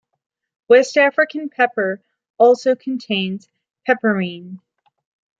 West African pepper also contains piperine.